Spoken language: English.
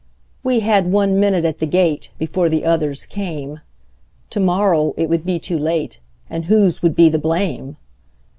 We had one minute at the gate, Before the others came; To morrow it would be too late, And whose would be the blame!